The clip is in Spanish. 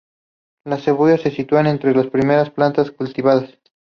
La cebolla se sitúa entre las primeras plantas cultivadas.